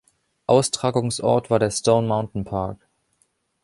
Austragungsort war der Stone Mountain Park.